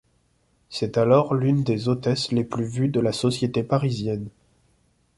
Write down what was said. C'est alors l'une des hôtesses les plus vues de la société parisienne.